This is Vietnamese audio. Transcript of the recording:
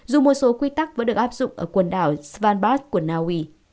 dù một số quy tắc vẫn được áp dụng ở quần đảo svanbass của naui